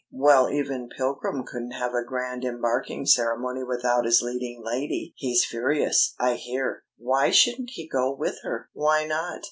"Well, even Pilgrim couldn't have a grand embarking ceremony without his leading lady! He's furious, I hear." "Why shouldn't he go with her?" "Why not?